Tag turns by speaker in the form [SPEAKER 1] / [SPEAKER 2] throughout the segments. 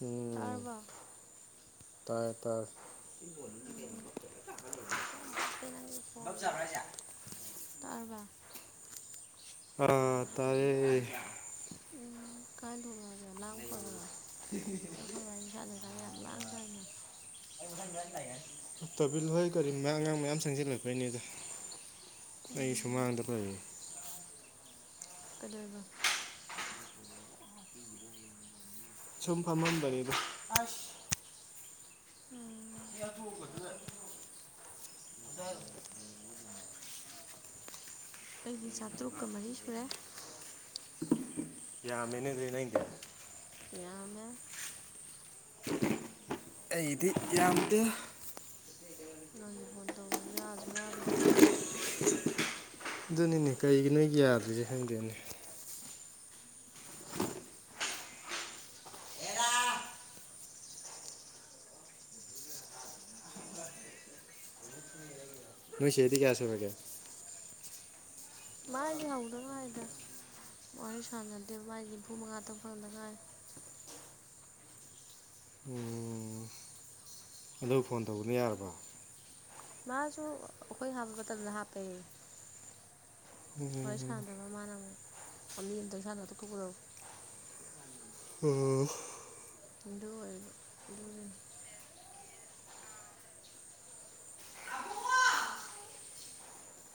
[SPEAKER 1] ꯎꯝ
[SPEAKER 2] ꯇꯥꯔꯕ
[SPEAKER 1] ꯇꯥꯏ ꯇꯔ
[SPEAKER 2] ꯇꯄꯦ ꯅꯪ ꯀꯄꯅꯣ ꯇꯔꯔꯕ
[SPEAKER 1] ꯑ ꯇꯔꯌꯦ
[SPEAKER 2] ꯎꯝ ꯀꯥꯏꯅ ꯊꯦ ꯂꯥꯡ ꯐꯗꯔꯦ ꯑꯩ ꯐꯪꯅꯤ ꯁꯥꯟꯅ ꯀꯅ ꯌꯥꯝ ꯂꯥꯡꯗꯥꯏꯅꯦ
[SPEAKER 1] ꯇꯥꯕꯤꯜ ꯍꯣꯏ ꯀꯔꯤ ꯃꯔ ꯑꯉꯥꯡ ꯃꯌꯥꯝ ꯆꯪꯁꯤꯜꯂꯛꯄꯩꯅꯦꯗ ꯑꯩ ꯁꯨꯃꯥꯡꯗ ꯂꯩꯦ
[SPEAKER 2] ꯀꯗꯕ
[SPEAKER 1] ꯁꯨꯝ ꯐꯝꯃꯝꯕꯅꯤꯗ ꯑ
[SPEAKER 2] ꯎꯝ
[SPEAKER 1] ꯃꯤ ꯇꯒꯗ
[SPEAKER 2] ꯑꯩꯗꯤ ꯆꯥꯇꯔꯨꯛꯀ ꯃꯔꯤ ꯁꯨꯔꯦ
[SPEAKER 1] ꯌꯥ ꯃꯦꯅꯦ ꯑꯗꯨ ꯅꯩꯗꯦ
[SPEAKER 2] ꯌꯥꯝꯃꯦ
[SPEAKER 1] ꯑꯩꯗꯤ ꯌꯥꯝꯗꯦ
[SPEAKER 2] ꯅꯪꯒꯤ ꯐꯣꯟ ꯇꯧꯕꯁꯨ ꯌꯥꯥꯁꯨ ꯌꯥꯗ [unintelligible]
[SPEAKER 1] ꯗꯨꯅꯤꯅꯦ ꯀꯔꯤꯒꯤ ꯅꯣ ꯌꯥꯗꯣꯏꯔꯤꯖꯦ ꯈꯪꯗꯦꯅꯦ ꯅꯣꯏ ꯆꯦꯗꯤ ꯀꯌꯥ ꯁꯨꯔꯒꯦ
[SPEAKER 2] ꯃꯥꯗꯤ ꯍꯧꯗ ꯉꯥꯏꯗ ꯋꯥꯔꯤ ꯁꯥꯟꯅꯗꯦꯕꯥꯥꯏ ꯅꯤꯐꯨ ꯃꯉꯥ ꯇꯪ ꯐꯪꯗꯉꯥꯏꯔꯦ
[SPEAKER 1] ꯎꯝ ꯑꯗꯨ ꯐꯣꯟ ꯇꯧꯕꯅ ꯌꯥꯔꯕ
[SPEAKER 2] ꯃꯥꯁꯨ ꯑꯈꯣꯏ ꯍꯥꯞꯄ ꯃꯇꯝꯗ ꯍꯥꯞꯄꯩ ꯍꯣꯏ
[SPEAKER 1] ꯎꯝ
[SPEAKER 2] ꯁꯥꯟꯅꯗꯕ ꯃꯥꯅ ꯑꯃꯨꯛ ꯃꯤ ꯑꯝꯇꯪ ꯁꯥꯟꯅ ꯇꯣꯛꯊꯣꯛꯄꯗꯣ
[SPEAKER 1] ꯑꯣ
[SPEAKER 2] ꯑꯗꯨ ꯑꯣꯏꯕ ꯑꯗꯨꯒꯤꯟ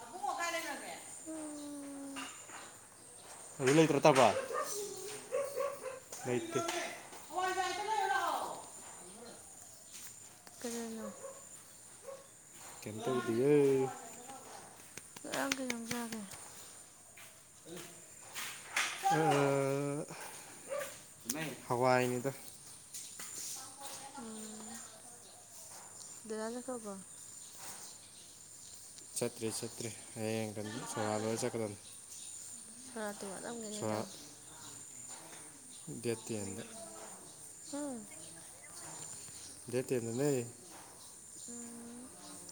[SPEAKER 1] ꯑꯕꯨꯡꯉꯣ ꯀꯥꯏ ꯂꯩꯈ꯭ꯔꯒꯦ
[SPEAKER 2] ꯎꯝ
[SPEAKER 1] ꯍꯧꯔꯤ ꯂꯩꯇꯔ꯭ꯇꯥꯥꯄꯥ ꯂꯩꯇꯦ [unintelligible]
[SPEAKER 2] ꯀꯅꯥꯅꯣ
[SPEAKER 1] ꯀꯦꯝ ꯇꯧꯗꯤꯌꯦ
[SPEAKER 2] ꯉꯔꯥꯡ ꯀꯩꯅꯣꯝ ꯆꯥꯒꯦ
[SPEAKER 1] ꯑ ꯍꯋꯥꯏꯅꯤꯗ
[SPEAKER 2] ꯎꯝ ꯗꯗꯥ ꯆꯈꯔ꯭ꯕꯣ
[SPEAKER 1] ꯆꯠꯇ꯭ꯔꯤ ꯆꯠꯇ꯭ꯔꯤ ꯍꯌꯦꯡ ꯀꯟ ꯁꯣꯔꯥꯠ ꯂꯣꯏꯔ ꯆꯠꯀꯗꯝꯅꯤ
[SPEAKER 2] ꯁꯣꯔꯥꯇꯤ ꯋꯥꯠꯂꯝꯒꯤꯅꯤꯗ
[SPEAKER 1] ꯁꯣꯔꯥꯠ ꯗꯦꯠ ꯇꯦꯟ ꯗ
[SPEAKER 2] ꯎꯝ
[SPEAKER 1] ꯗꯦꯠ ꯇꯦꯟ ꯗ ꯅꯦ
[SPEAKER 2] ꯎꯝ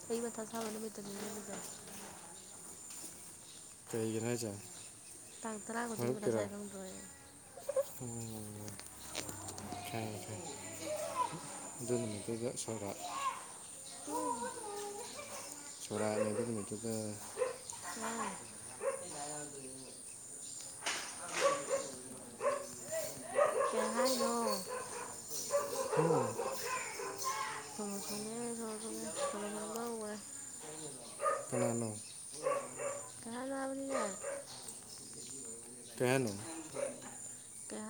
[SPEAKER 2] ꯑꯩ ꯃꯊꯥ ꯁꯥꯕ ꯅꯨꯃꯤꯠꯇꯅꯤꯅꯦ ꯑꯗꯨꯗꯤ
[SPEAKER 1] ꯀꯩꯒꯤꯟ ꯍꯥꯏꯖꯦ
[SPEAKER 2] ꯇꯥꯡ ꯇꯔꯥ ꯈꯨꯗꯤꯡ
[SPEAKER 1] ꯍꯣꯏꯞ
[SPEAKER 2] ꯃꯊꯥ
[SPEAKER 1] ꯀꯤꯔ
[SPEAKER 2] ꯁꯥꯏ ꯈꯪꯗ꯭ꯔꯣ ꯑꯩ
[SPEAKER 1] ꯎꯝ ꯊ [unintelligible] ꯑꯗꯨꯅꯃꯤꯠꯇꯨꯗ ꯁꯣꯔꯥꯠ
[SPEAKER 2] ꯎꯝ
[SPEAKER 1] ꯁꯣꯔꯥꯠꯅꯦ ꯑꯗꯨ ꯅꯨꯃꯤꯠꯇꯨꯗ
[SPEAKER 2] ꯀꯩ ꯍꯥꯏꯅꯤ ꯀꯩ ꯍꯥꯏꯅꯣ
[SPEAKER 1] ꯍꯨꯝ
[SPEAKER 2] ꯁꯣꯔꯣ ꯊꯨꯡꯉꯦ ꯁꯣꯔꯣ ꯊꯨꯡꯉꯦ ꯁꯣꯔꯣ ꯊꯨꯡꯕ ꯍꯧꯒꯔꯦ
[SPEAKER 1] ꯀꯅꯥꯅꯣ
[SPEAKER 2] ꯀꯩ ꯍꯥꯏꯅꯣ ꯍꯥꯏꯕꯅꯤꯅꯦ
[SPEAKER 1] ꯀꯩ ꯍꯥꯏꯅꯣ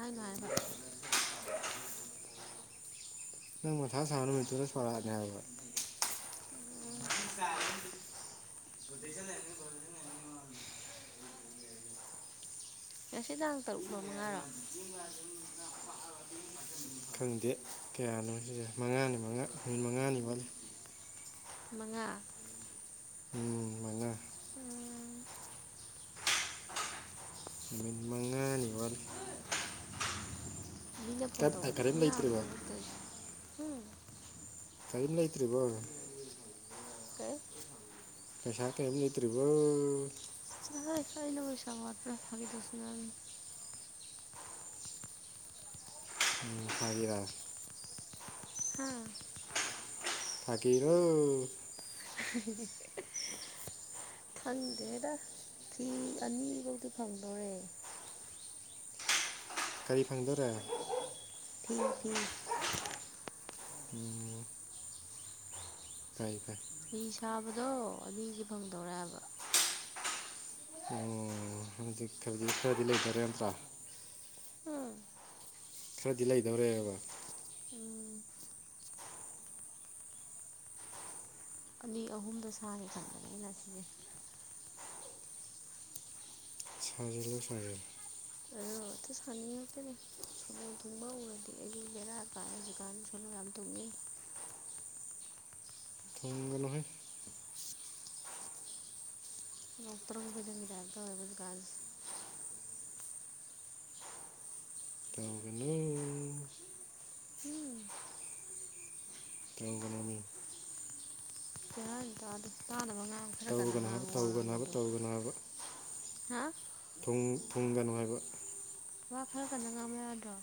[SPEAKER 2] ꯑꯩꯅ ꯍꯥꯏꯕ
[SPEAKER 1] ꯅꯪ ꯃꯊꯥ ꯁꯥꯕ ꯅꯨꯃꯤꯠꯇꯨꯗ ꯁꯣꯔꯥꯠꯅꯦ ꯍꯥꯏꯕ [unintelligible]
[SPEAKER 2] ꯉꯁꯤ ꯇꯥꯡ ꯇꯔꯨꯛꯂꯣ ꯃꯉꯥꯔꯣ
[SPEAKER 1] ꯈꯪꯗꯦ ꯀꯌꯥꯅꯣ ꯁꯤꯁꯦ ꯃꯉꯥꯅꯤ ꯃꯉꯥ ꯅꯨꯃꯤꯠ ꯃꯉꯥꯅꯤ ꯋꯥꯠꯂꯤ
[SPEAKER 2] ꯃꯉꯥ
[SPEAKER 1] ꯎꯝ ꯃꯉꯥ
[SPEAKER 2] ꯎꯝ
[SPEAKER 1] ꯅꯨꯃꯤꯠ ꯃꯉꯥ
[SPEAKER 2] ꯃꯤꯅ ꯐꯣꯟ ꯇꯧꯕꯗ
[SPEAKER 1] ꯀꯔꯤꯝ
[SPEAKER 2] ꯑꯗꯨꯝ
[SPEAKER 1] ꯂꯩꯇ꯭ꯔꯤꯕꯣ
[SPEAKER 2] ꯌꯥꯕꯅꯦꯕ ꯅꯪ ꯇꯧꯁꯦ ꯍꯨꯝ
[SPEAKER 1] ꯀꯔꯤꯝ ꯂꯩꯇ꯭ꯔꯤꯕꯣ
[SPEAKER 2] ꯀꯩ
[SPEAKER 1] ꯄꯩꯁꯥ ꯀꯩꯝ ꯂꯩꯇ꯭ꯔꯤꯕꯣ
[SPEAKER 2] ꯑꯩꯅꯕꯨ ꯄꯩꯁꯥ ꯋꯥꯠꯄꯔꯥ ꯐꯒꯤ ꯇꯧꯁꯤꯟꯅꯝꯅꯤ
[SPEAKER 1] ꯐꯒꯤꯔꯥ
[SPEAKER 2] ꯍꯥ
[SPEAKER 1] ꯊꯀꯤꯔꯣ
[SPEAKER 2] [unintelligible] ꯈꯪꯗꯦꯗ ꯐꯤ ꯑꯅꯤ ꯕꯧꯗꯤ ꯐꯪꯗꯣꯔꯦ
[SPEAKER 1] ꯀꯔꯤ ꯐꯪꯗꯣꯔꯦ
[SPEAKER 2] ꯏ ꯐꯤ
[SPEAKER 1] ꯎꯝ ꯀꯥꯏ
[SPEAKER 2] ꯐꯤ ꯁꯥꯕꯗꯣ ꯑꯗꯨꯏꯗꯤ ꯐꯪꯗꯧꯔꯦꯕ
[SPEAKER 1] ꯑꯣ ꯍꯧꯖꯤꯛ ꯈꯗꯤ ꯈꯔꯗꯤ ꯂꯩꯖꯔꯦ ꯅꯠꯇ꯭ꯔꯥ
[SPEAKER 2] ꯎꯝ
[SPEAKER 1] ꯈꯔꯗꯤ ꯂꯩꯗꯧꯔꯦꯕ
[SPEAKER 2] ꯎꯝ ꯑꯅꯤ ꯑꯍꯨꯝꯗ ꯁꯥꯔꯦ ꯈꯟꯗꯅ ꯑꯩꯅ ꯁꯤꯁꯦ
[SPEAKER 1] ꯁꯖꯤꯜꯂꯨ ꯁꯖꯤꯜꯂꯨ
[SPEAKER 2] ꯍ ꯑꯇ ꯁꯥꯅꯤꯡꯉꯥꯛꯇꯅꯦ ꯁꯣꯂꯣ ꯊꯨꯡꯕ ꯎꯔꯗꯤ ꯑꯩꯁꯨ ꯕꯦꯔꯥ ꯀꯥꯏ ꯍꯧꯖꯤꯛꯀꯥꯟꯗꯤ ꯁꯣꯅꯣ ꯌꯥꯝ ꯊꯨꯡꯉꯦꯅꯦ ꯎ [inaudible]
[SPEAKER 1] ꯊꯨꯡꯒꯅꯨꯍꯦ
[SPEAKER 2] ꯉꯧꯇꯪ ꯐꯥꯏꯗꯪꯒꯤ ꯇꯥꯏꯇ ꯇꯧꯋꯤ ꯈꯧꯖꯤꯛꯁꯦ
[SPEAKER 1] ꯇꯧꯒꯅꯨ
[SPEAKER 2] ꯎꯝ
[SPEAKER 1] ꯇꯧꯒꯅꯨ ꯃꯤ
[SPEAKER 2] ꯀꯩ ꯍꯥꯏꯅꯣ ꯇꯥꯗꯦ ꯉꯥꯡ ꯈꯔ ꯀꯥꯟꯟꯅ
[SPEAKER 1] ꯇꯧꯒꯅꯨ ꯍꯥꯏꯕ
[SPEAKER 2] ꯉꯥꯡꯉꯨ ꯋꯥ
[SPEAKER 1] ꯇꯧꯒꯅꯨ ꯍꯥꯏꯕ
[SPEAKER 2] ꯉꯥꯡꯉꯗꯣ
[SPEAKER 1] ꯇꯧꯒꯅꯨ ꯍꯥꯏꯕ ꯊꯨꯡ ꯊꯨꯡꯒꯅꯨ ꯍꯥꯏꯕ
[SPEAKER 2] ꯋꯥ ꯈꯔ ꯀꯟꯗ ꯉꯥꯡꯕ ꯌꯥꯗ꯭ꯔꯣ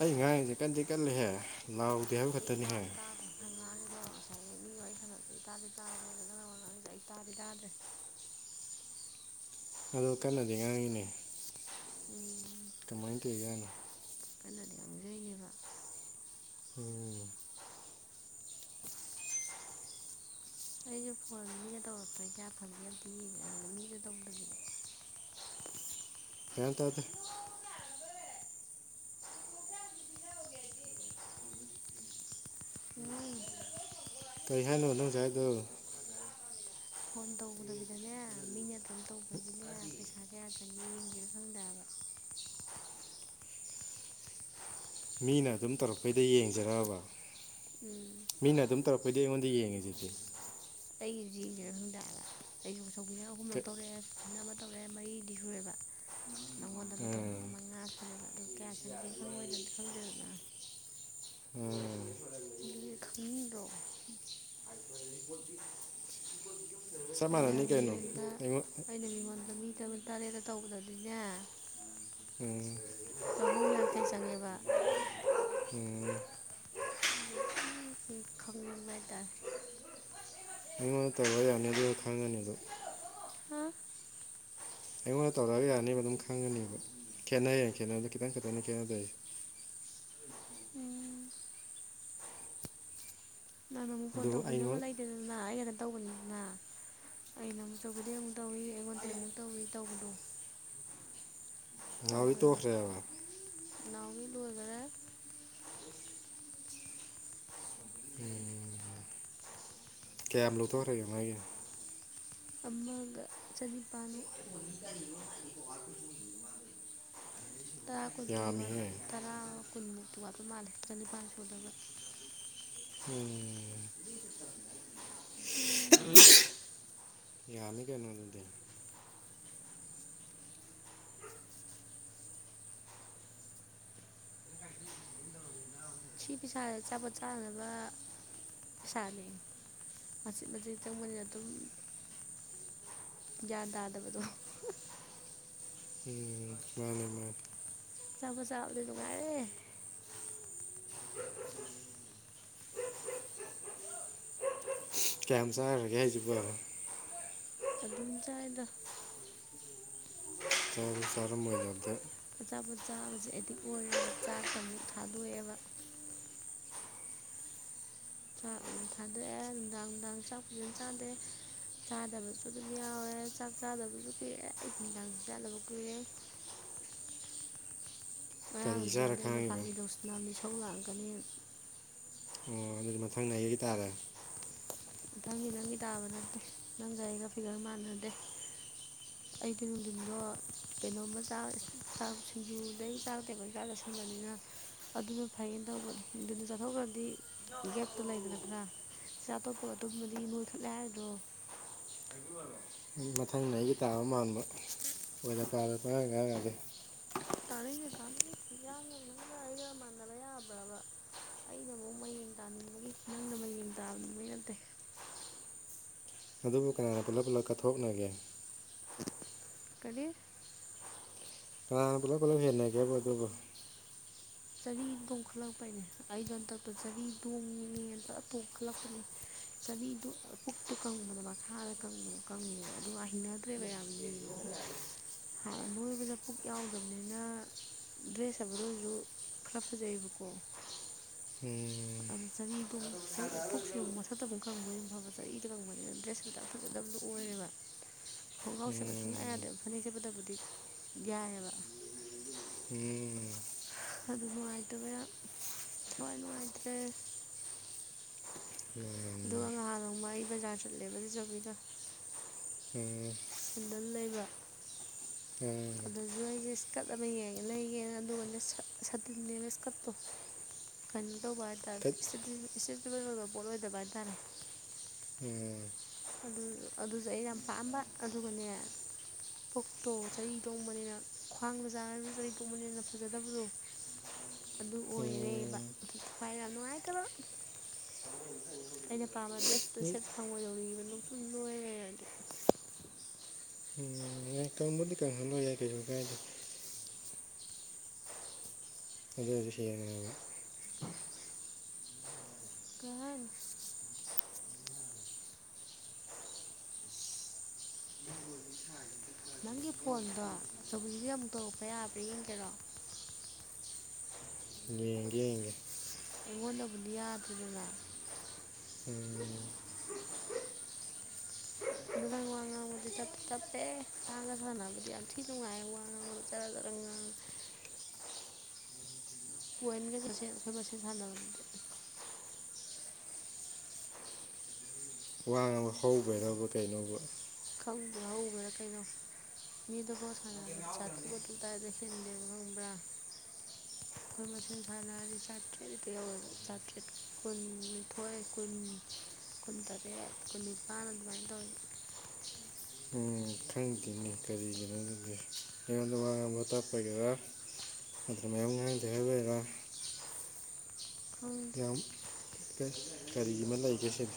[SPEAKER 1] ꯑꯩ ꯉꯥꯡꯁꯦ ꯀꯟꯗꯤ ꯀꯜꯂꯤꯍꯦ ꯂꯥꯎꯗꯦ ꯍꯥꯏꯕ ꯈꯛꯇꯅꯤꯍꯦ
[SPEAKER 2] ꯑꯗꯣ ꯉꯁꯥꯏ ꯃꯤ ꯋꯥꯔꯤ ꯁꯥꯟꯅꯗꯗꯤ ꯇꯥꯗꯤ ꯇꯥꯕꯅꯦ ꯑꯗꯨꯖꯗꯤ ꯑꯩ ꯇꯥꯗꯤ ꯇꯥꯗ꯭ꯔꯦ
[SPEAKER 1] ꯑꯗꯨ ꯀꯟꯅꯗꯤ ꯉꯥꯡꯉꯤꯅꯦ
[SPEAKER 2] ꯎꯝ
[SPEAKER 1] ꯀꯃꯥꯏ ꯀꯧꯔꯤꯖꯠꯅꯣ
[SPEAKER 2] ꯀꯟꯅꯗꯤ ꯌꯥꯝꯖꯩꯅꯦꯕ
[SPEAKER 1] ꯎꯝ
[SPEAKER 2] ꯑꯩꯁꯨ ꯐꯣꯟ ꯃꯤꯅ ꯇꯧꯔꯛꯄꯅꯤ ꯀꯌꯥ ꯐꯪꯒꯦ ꯑꯝꯇ ꯌꯦꯡꯅꯪ ꯃꯤꯁꯨ ꯇꯧꯗꯕꯤꯗ [inaudible]
[SPEAKER 1] ꯒ꯭ꯌꯥꯟ ꯇꯥꯗꯦ
[SPEAKER 2] ꯍ [unintelligible]
[SPEAKER 1] ꯀꯔꯤ ꯍꯥꯏꯅꯣ ꯅꯪ ꯍꯧꯖꯤꯛ ꯍꯥꯏꯗꯣ
[SPEAKER 2] ꯐꯣꯟ ꯇꯧꯗꯕꯤꯗꯅꯦ ꯃꯤꯅ ꯑꯗꯨꯝ ꯇꯧꯕꯒꯤꯅꯦ ꯄꯩꯁꯥꯁꯦ
[SPEAKER 1] ꯃꯤꯅ ꯑꯗꯨꯝ ꯇꯧꯔꯛꯄꯩꯗ ꯌꯦꯡꯖꯔꯛꯑꯕ
[SPEAKER 2] ꯎꯝ
[SPEAKER 1] ꯃꯤꯅ ꯑꯗꯨꯝ ꯇꯧꯔꯛꯄ ꯑꯩꯈꯣꯏꯗꯤ ꯑꯩꯉꯣꯟꯗ ꯌꯦꯡꯉꯁꯤꯆꯦ
[SPEAKER 2] ꯑꯩꯒꯤꯁꯨ ꯌꯦꯡꯒꯦꯔ ꯈꯪꯗꯦꯕ ꯑꯩꯁꯨ ꯁꯧꯕꯤꯔ ꯑꯍꯨꯝꯂꯛ ꯇꯧꯔꯛꯑꯦ ꯐꯅ ꯑꯃ ꯇꯧꯔꯦ ꯃꯔꯤꯗꯤ ꯁꯨꯔꯦꯕ ꯅꯪꯉꯣꯟꯗ ꯑꯃ ꯇꯧꯕꯗꯨꯒ
[SPEAKER 1] ꯎꯝ
[SPEAKER 2] ꯃꯉꯥ ꯁꯨ ꯑꯗꯨ ꯀꯌꯥ ꯆꯪꯒꯦ ꯈꯪꯉꯣꯏꯗꯅꯗꯤ ꯈꯪꯗꯦꯗꯅ
[SPEAKER 1] ꯎꯝ
[SPEAKER 2] ꯑꯗꯨ ꯈꯪꯅꯤꯡꯗꯔꯣ
[SPEAKER 1] ꯆꯞ
[SPEAKER 2] ꯑꯩꯅ
[SPEAKER 1] ꯃꯥꯟꯅꯅꯤ ꯀꯩꯅꯣ
[SPEAKER 2] ꯃꯤꯉꯣꯟꯗ
[SPEAKER 1] ꯑꯩꯉꯣꯟ
[SPEAKER 2] ꯑꯩꯅ ꯃꯤꯉꯣꯟꯗ ꯃꯤꯗ ꯇꯔꯦꯠꯇ ꯇꯧꯕꯗꯗꯤꯅꯦ
[SPEAKER 1] ꯎꯝ
[SPEAKER 2] ꯃꯖꯪ ꯑꯦꯕ
[SPEAKER 1] ꯎꯝ
[SPEAKER 2] ꯈꯪꯃꯦꯗ
[SPEAKER 1] ꯑꯩꯉꯣꯟꯗ ꯇꯧꯔ ꯌꯥꯅꯤ ꯑꯗꯨ ꯈꯪꯉꯅꯤꯗ
[SPEAKER 2] ꯍꯥ
[SPEAKER 1] ꯑꯩꯉꯣꯟꯗ ꯇꯧꯔꯛꯑꯒ ꯌꯥꯅꯦꯕ ꯑꯗꯨꯝ ꯈꯪꯒꯅꯦꯕ ꯈꯦꯠꯅꯩꯅ ꯈꯦꯠꯅꯕꯗ ꯈꯤꯇꯪ ꯈꯛꯇꯅ ꯈꯦꯠꯅꯗꯔꯤꯁꯦ
[SPEAKER 2] [inaudible] ꯎꯝ ꯑꯗꯨꯝ ꯐꯣꯟ
[SPEAKER 1] ꯑꯗꯨꯕꯨ
[SPEAKER 2] ꯇꯧꯕꯤꯅꯕ
[SPEAKER 1] ꯑꯩꯉꯣꯟ
[SPEAKER 2] ꯂꯩꯇꯦꯗꯅ ꯑꯩ ꯈꯛꯇ ꯇꯧꯕꯅꯤꯗꯅ ꯑꯩꯅ ꯑꯃꯨꯛꯆꯧꯕꯤꯗꯩ ꯑꯃꯨꯛ ꯇꯧꯏꯤ ꯑꯩꯉꯣꯟꯗ ꯑꯃꯨꯛ ꯇꯧꯏꯤ ꯇꯧꯕꯗꯣ
[SPEAKER 1] ꯊꯥꯎꯕꯤ
[SPEAKER 2] ꯇꯧꯋꯦꯕ
[SPEAKER 1] ꯇꯣꯛꯈ꯭ꯔꯦꯕ
[SPEAKER 2] ꯅꯥꯎꯒꯤ ꯂꯣꯏꯈꯔꯦ
[SPEAKER 1] ꯀꯦꯞ ꯂꯧꯊꯧꯔꯦ ꯌꯥꯅꯒꯤ
[SPEAKER 2] ꯑꯃꯒ ꯆꯅꯤꯄꯥꯥꯟꯃꯨꯛ ꯇꯔꯥ ꯀꯨꯟꯃꯨꯛꯇꯗꯤ
[SPEAKER 1] ꯌꯥꯝꯃꯤꯍꯦ
[SPEAKER 2] ꯇꯔꯥ ꯀꯨꯟꯃꯨꯛꯇꯤ ꯋꯥꯠꯄ ꯃꯥꯜꯂꯦ ꯆꯅꯤꯄꯥꯥꯟ ꯁꯨꯗꯕ
[SPEAKER 1] ꯎꯝ
[SPEAKER 2] ꯎꯝ
[SPEAKER 1] ꯌꯥꯃꯤ ꯀꯩꯅꯣ ꯑꯗꯨꯗꯤ
[SPEAKER 2] ꯁꯤ ꯄꯤꯁꯥꯗ ꯑꯆꯥꯄꯣꯠ ꯆꯥꯅꯕ ꯁꯅꯤ ꯃꯁꯤꯁ ꯃꯁ ꯏ ꯆ ꯃꯅ ꯑꯗꯨꯣ ꯌꯥꯗꯗꯕꯗꯨꯣ
[SPEAKER 1] ꯎꯝ ꯃꯥꯅꯦ ꯃꯥꯅꯦ
[SPEAKER 2] ꯆꯥꯄ ꯆꯕꯗꯤ ꯅꯨꯡꯉꯥꯏꯔꯦ ꯎ ꯎ
[SPEAKER 1] ꯀꯝ ꯆꯔꯒꯦ ꯍꯥꯏꯕ
[SPEAKER 2] ꯑꯗꯨꯝ ꯆꯥꯏꯗ
[SPEAKER 1] ꯆ ꯆꯔꯝ ꯑꯣꯏꯖꯗ
[SPEAKER 2] ꯑꯆꯥꯄꯣꯠ ꯆꯥꯕꯁꯦ ꯑꯦꯗꯤꯛ ꯑꯣꯏꯔꯦ ꯆꯥꯛꯇ ꯃꯨꯛ ꯊꯥꯗꯣꯛꯑꯦꯕ ꯆꯥꯛ ꯊꯥꯗꯣꯛꯑꯦ ꯅꯨꯡꯗꯥꯡ ꯅꯨꯡꯗꯥꯡ ꯆꯥꯛ ꯐꯖꯅ ꯆꯥꯗꯦ ꯆꯥꯗꯕꯁꯨ ꯑꯗꯨꯝ ꯌꯥꯎꯋꯦ ꯆꯥꯛ ꯆꯥꯗꯕꯁꯨ ꯀꯨꯏꯔꯦ ꯑꯩ ꯅꯨꯡꯗꯥꯡ ꯆꯥꯗꯕ ꯀꯨꯏꯔꯦ [unintelligible]
[SPEAKER 1] ꯀꯔꯤꯒꯤ
[SPEAKER 2] ꯉꯔꯥꯡꯗꯨꯖ
[SPEAKER 1] ꯆꯥꯔ
[SPEAKER 2] ꯑꯗ ꯑꯩꯅ
[SPEAKER 1] ꯈꯥꯡꯉꯤꯕ
[SPEAKER 2] ꯐꯥꯒꯤꯗꯧꯁꯤꯅ ꯃꯤ ꯁꯧ ꯂꯥꯛꯑꯀꯅꯤ
[SPEAKER 1] ꯑꯣ ꯑꯗꯨꯗꯤ ꯃꯊꯪꯅ ꯑꯩꯒꯤ ꯇꯥꯔꯦ
[SPEAKER 2] ꯊꯪꯒꯤ ꯅꯪꯒꯤ ꯇꯥꯕ ꯅꯠꯇꯦ ꯅꯪꯒ ꯑꯩꯒ ꯐꯤꯒꯔ ꯃꯥꯟꯅꯗꯦ ꯑꯩꯗꯤ ꯅꯨꯡꯊꯤꯟꯗꯣ ꯀꯩꯅꯣꯝꯃ ꯆ ꯆꯥꯛ ꯁꯤꯡꯖꯨꯗꯩ ꯆꯥꯛꯇꯦꯕꯖꯥꯛ ꯆꯠꯁꯤꯟꯕꯅꯤꯅ ꯑꯗꯨꯅ ꯐꯩꯌꯦꯅ ꯇꯧꯕꯅꯤ ꯑꯗꯨꯅ ꯆꯠꯊꯣꯛꯈ꯭ꯔꯗꯤ ꯒꯦꯞꯇꯣ ꯂꯩꯗꯅ ꯄꯨꯔꯥ ꯁꯤ ꯑꯇꯣꯞꯄ ꯇꯨꯝꯃꯗꯤ ꯃꯨꯊꯠꯂꯦ ꯍꯥꯏꯗ꯭ꯔꯣ
[SPEAKER 1] ꯃꯊꯪꯅ ꯑꯩꯒꯤ ꯇꯥꯕ ꯃꯥꯟꯕ ꯄꯥꯔ ꯄꯔ ꯀꯔꯒꯗꯤ
[SPEAKER 2] ꯇꯥꯅꯤꯡꯗꯦ ꯇꯥꯅꯤꯡꯗꯦ ꯏꯌꯥꯡꯒ ꯅꯪꯒ ꯑꯩꯒ ꯃꯥꯟꯅꯕ ꯌꯥꯕ꯭ꯔꯕ ꯑꯩꯅ ꯑꯃꯨꯛ ꯃꯌꯦꯡ ꯇꯥꯅꯤꯡꯕꯒꯤ ꯅꯪꯅ ꯃꯌꯦꯡ ꯇꯥꯅꯤꯡꯕꯩ ꯅꯠꯇꯦ
[SPEAKER 1] ꯑꯗꯨꯕꯨ ꯀꯅꯥꯅ ꯄꯨꯂꯞ ꯄꯨꯂꯞ ꯀꯊꯣꯛꯅꯒꯦ
[SPEAKER 2] ꯀ
[SPEAKER 1] ꯀꯥꯡ ꯄꯨꯂꯞ ꯄꯨꯂꯞ ꯍꯦꯟꯅꯒꯦꯕ ꯑꯗꯨꯒꯕꯨ
[SPEAKER 2] ꯆꯔꯤ ꯇꯣꯡꯈꯠꯂꯛꯄ ꯍꯥꯏꯅꯦ ꯑꯩꯗ ꯍꯟꯇꯛꯛꯇ ꯆꯔꯤ ꯇꯣꯡꯉ ꯇꯣꯡꯈꯠꯂꯛꯄꯅꯦ ꯆꯅꯤꯗꯨ ꯄꯨꯛꯇꯨ ꯀꯪꯕꯗꯣ ꯃꯈꯥꯗ ꯀꯪꯕꯗꯣ ꯀꯪꯉꯦꯕ ꯑꯗꯨꯒ ꯍꯩꯅꯗ꯭ꯔꯦꯕ ꯌꯥꯝ ꯌꯦꯡꯕꯗ ꯍꯥꯟꯅ ꯅꯣꯏꯕꯗ ꯄꯨꯛ ꯌꯥꯎꯗꯕꯅꯤꯅ ꯗ꯭ꯔꯦꯁ ꯍꯥꯏꯕꯗ ꯑꯣꯏꯔꯁꯨ ꯈꯔ ꯐꯖꯩꯌꯦꯕꯀꯣ ꯎꯝ ꯆꯅꯤꯗꯨ ꯄꯨꯛꯁꯤꯨꯛ ꯃꯊꯛꯇ ꯑꯃꯨꯛ ꯀꯪꯕꯅꯤ ꯐꯕ ꯆꯅꯤꯗ ꯀꯪꯕꯅꯤꯅ ꯗ꯭ꯔꯦꯁꯦ ꯐꯖꯕꯗ ꯑꯣꯏꯔ ꯕ ꯈꯣꯡꯒ꯭ꯔꯥꯎ ꯁꯦꯠꯄ ꯁꯨꯡꯌꯥ
[SPEAKER 1] ꯎꯝ
[SPEAKER 2] ꯌꯥꯗꯦ ꯐꯅꯦꯛ ꯁꯦꯠꯄꯗꯕꯨꯗꯤ ꯌꯥꯏꯑꯕ
[SPEAKER 1] ꯎꯝ
[SPEAKER 2] ꯑꯗꯨ ꯅꯨꯡꯉꯥꯏꯇꯕ ꯌꯥꯝ ꯊꯋꯥꯏ ꯅꯨꯡꯉꯥꯏꯇ꯭ꯔꯦ ꯑꯗꯨꯒ
[SPEAKER 1] ꯎꯝ
[SPEAKER 2] ꯉꯍꯥꯟ ꯅꯣꯡꯕ ꯑꯩ ꯕꯖꯥꯔ ꯆꯠꯂꯦꯕ ꯆꯆꯕꯤꯗ
[SPEAKER 1] ꯎꯝ ꯎꯝ
[SPEAKER 2] ꯁꯟꯗꯅ ꯂꯩꯕ
[SPEAKER 1] ꯎꯝ
[SPEAKER 2] ꯑꯗꯨꯁꯨ ꯑꯩꯁꯦ ꯏꯁꯀꯔꯠ ꯑꯃ ꯌꯦꯡꯉꯦ ꯂꯩꯒꯦꯅ ꯑꯗꯨꯒꯅꯦ ꯁꯥꯇꯤꯟꯅꯦꯕ ꯏꯁꯀꯔꯠꯇꯣ ꯀꯩꯅꯣ ꯇꯧꯕ ꯍꯥꯏ ꯇꯥꯔꯦ
[SPEAKER 1] ꯀꯠ
[SPEAKER 2] ꯏꯁꯇꯦꯕꯜ ꯑꯣꯏꯕ ꯄꯣꯠ ꯑꯣꯏꯗꯕ ꯍꯥꯏ ꯇꯔꯦ
[SPEAKER 1] ꯎꯝ
[SPEAKER 2] ꯑꯗꯨꯁꯨ ꯑꯩ ꯌꯥꯝ ꯄꯥꯝꯕ ꯑꯗꯨꯒꯅꯦ ꯑꯣꯛꯇꯣ ꯆꯔꯤ ꯇꯣꯡꯕꯅꯤꯅ ꯈ꯭ꯋꯥꯡꯗ ꯆꯥꯔꯔꯕ ꯆꯔꯤ ꯇꯣꯡꯕꯅꯤꯅ ꯐꯖꯗꯕꯗꯣ ꯑꯗꯨ ꯑꯣꯏꯔꯦꯕ
[SPEAKER 1] ꯎꯝ
[SPEAKER 2] ꯑꯗꯨ ꯊꯋꯥꯏ ꯌꯥꯝ ꯅꯨꯡꯉꯥꯏꯇꯕ ꯑꯩꯅ ꯄꯥꯝꯕ ꯗ꯭ꯔꯦꯁꯇꯨꯗ
[SPEAKER 1] ꯏ
[SPEAKER 2] ꯁꯦꯠ ꯐꯪꯕ ꯌꯧꯕ ꯅ ꯁꯨꯝ ꯂꯣꯏꯔꯦ ꯑꯗꯨꯗꯤ
[SPEAKER 1] ꯑ ꯀꯪꯕꯨꯗꯤ ꯀꯪꯍꯜꯂꯣꯏ ꯌꯥꯏ ꯀꯩꯁꯨ ꯀꯥꯏꯗꯦ ꯁꯔ
[SPEAKER 2] ꯀꯍꯟ ꯅꯪꯒꯤ ꯐꯣꯟꯗꯣ ꯑꯆꯧꯕꯤꯗꯤ ꯑꯃꯨꯛ ꯇꯧꯔꯛꯄ ꯌꯥꯕ꯭ꯔꯥ ꯌꯦꯡꯒꯦꯔꯣ
[SPEAKER 1] ꯌꯦꯡꯒꯦ ꯌꯦꯡꯒꯦ
[SPEAKER 2] ꯑꯩꯉꯣꯟꯗꯕꯨꯗꯤ ꯌꯥꯗ꯭ꯔꯦꯗꯅ
[SPEAKER 1] ꯎꯝ
[SPEAKER 2] ꯎ ꯅꯪ ꯋꯥ ꯉꯥꯡꯕꯗꯤ ꯆꯠꯇꯄꯦ ꯇꯞꯄꯦ ꯇꯥꯡꯒ ꯁꯥꯟꯅꯕꯗꯤ ꯌꯥꯝ ꯊꯤ ꯅꯨꯡꯉꯥꯏꯦ ꯋꯥ ꯉꯥꯡꯕꯗ ꯖꯔ ꯖꯔꯒ ꯉꯥꯡ ꯑ ꯄꯣꯏꯟꯒ ꯆꯠꯁꯦ ꯑꯩꯈꯣꯏ ꯃꯁꯦꯜ ꯁꯥꯟꯅꯕ ꯅꯗꯦ
[SPEAKER 1] ꯋꯥꯡꯕ ꯍꯧꯈ꯭ꯔꯕ ꯀꯩꯅꯣꯕꯨ
[SPEAKER 2] ꯈꯪꯗꯦꯣ ꯍꯧꯕꯔꯥ ꯀꯩꯅꯣ ꯃꯤꯗꯨꯐꯥꯎ ꯁꯥꯟꯅꯕꯗ ꯆꯥꯊꯨꯛ ꯑꯥꯊꯨ ꯇꯥꯏꯗ ꯍꯦꯟꯗꯦꯕ ꯈꯪꯕ꯭ꯔꯥ ꯑꯩꯈꯣꯏ ꯃꯁꯦꯟ ꯁꯥꯟꯅ ꯍꯥꯏꯔꯗꯤ ꯆꯥꯇ꯭ꯔꯦꯠꯇꯗ ꯌꯧꯋꯦꯕ ꯆꯥꯇ꯭ꯔꯦꯠ ꯀꯨꯟ ꯅꯤꯊꯣꯏ ꯀꯨꯟ ꯀꯨꯟ ꯇꯔꯦꯠ ꯀꯨꯟ ꯅꯤꯄꯥꯟꯜ ꯑꯗꯨꯃꯥꯏꯅ ꯇꯧꯋꯤ
[SPEAKER 1] ꯎ ꯈꯪꯈꯤꯅꯤ ꯀꯔꯤꯒꯤꯅꯣ ꯑꯗꯨꯗꯤ ꯑꯩꯉꯣꯟꯗ ꯋꯥ ꯉꯥꯡꯕ ꯇꯥꯛꯄꯒꯦꯔꯥ ꯑꯗꯨꯅ ꯃꯌꯨꯝ ꯉꯥꯡꯗ ꯍꯥꯏꯒꯣꯏꯔ
[SPEAKER 2] ꯈꯪꯗꯦ
[SPEAKER 1] ꯌꯥꯝꯩ ꯀꯔꯤ ꯑꯃ ꯂꯩꯒꯦ ꯁꯤꯅꯦ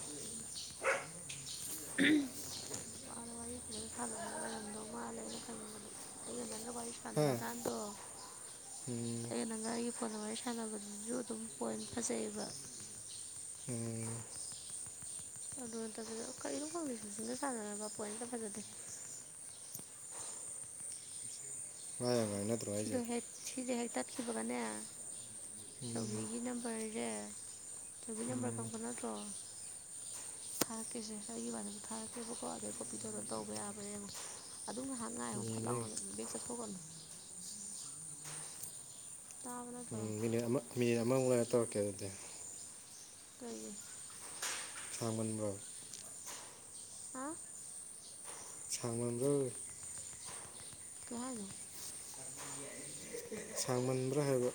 [SPEAKER 2] [unintelligible] ꯅꯨꯄꯥꯅ ꯋꯥꯔꯤ ꯐꯖꯅ ꯁꯥꯟꯅꯕ ꯑꯣꯏꯔꯝꯗꯧ ꯃꯥꯜꯂꯦ ꯑꯩꯅ ꯈꯟꯅꯤꯡꯕꯗ ꯑꯩꯒ ꯅꯪꯒ ꯋꯥꯔꯤ
[SPEAKER 1] ꯍꯥ
[SPEAKER 2] ꯁꯥꯟꯅꯕ ꯀꯥꯟꯗꯣ
[SPEAKER 1] ꯎꯝ
[SPEAKER 2] [unintelligible] ꯑ ꯅꯪꯒ ꯑꯩꯒꯤ ꯐꯣꯟꯒ ꯋꯥꯔꯤ ꯁꯥꯟꯅꯕꯗꯨꯁꯨ ꯑꯗꯨꯝ ꯄꯣꯏꯟ ꯐꯖꯩꯑꯕ
[SPEAKER 1] ꯎꯝ
[SPEAKER 2] ꯑꯗꯨ ꯅꯠꯇꯕꯤꯗ ꯀꯅꯨꯝꯈꯣꯡꯕꯤꯁꯨꯁꯤꯡꯅ ꯁꯥꯟꯅꯔꯕ ꯄꯣꯏꯅꯤꯇ ꯐꯖꯗꯦ
[SPEAKER 1] ꯋꯥ ꯌꯥꯝ ꯉꯥꯡꯅꯗ꯭ꯔꯣ ꯍꯥꯏꯁꯦ
[SPEAKER 2] ꯁꯤꯗꯣ ꯍꯦꯛ ꯁꯤꯗ ꯍꯦꯛ ꯇꯠꯈꯤꯕꯒꯅꯦ ꯆꯕꯤꯒꯤ ꯅꯝꯕꯔꯁꯦ ꯆꯤ ꯅꯝꯕꯔ
[SPEAKER 1] ꯎꯝ
[SPEAKER 2] ꯈꯪꯕ ꯅꯠꯇ꯭ꯔꯣ ꯊꯥꯔꯛꯀꯦꯁꯦ ꯑꯩꯒꯤ ꯋꯥꯗꯁꯨ ꯊꯥꯔꯛꯀꯦꯕꯀꯣ ꯑꯗꯩ ꯀꯣꯄꯤꯗꯣ ꯑꯗꯨ ꯇꯧꯕ ꯌꯥꯕ꯭ꯔꯦꯡꯉꯣ ꯑꯗꯨꯝ ꯉꯥꯏꯍꯥꯛ
[SPEAKER 1] ꯌꯦꯡꯒꯦ
[SPEAKER 2] ꯉꯥꯏꯕ ꯐꯠ
[SPEAKER 1] ꯌꯦꯡꯒꯦ
[SPEAKER 2] ꯂꯥꯎꯅ ꯕꯦꯦꯛ ꯆꯠꯊꯣꯛꯀꯅꯨ ꯇꯥꯕꯅꯠꯇ
[SPEAKER 1] ꯎꯠꯇꯔ ꯀꯦꯗꯗꯤꯦ
[SPEAKER 2] ꯀꯏꯦ
[SPEAKER 1] ꯁꯥꯡꯃꯟꯕ꯭ꯔꯣ
[SPEAKER 2] ꯑ
[SPEAKER 1] ꯁꯥꯡꯃꯟꯕ꯭ꯔꯣ
[SPEAKER 2] ꯀꯅ
[SPEAKER 1] ꯁꯥꯡꯃꯟꯕ꯭ꯔꯥ ꯍꯥꯏꯕ